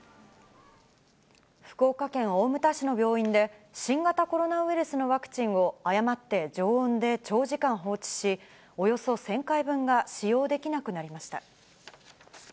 福岡県大牟田市の病院で、新型コロナウイルスのワクチンを、誤って常温で長時間放置し、およそ１０００回分が使用できなくなりました。